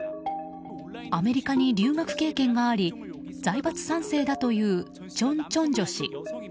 アメリカに留学経験があり財閥３世だというチョン・チョンジョ氏。